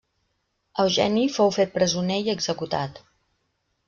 Eugeni fou fet presoner i executat.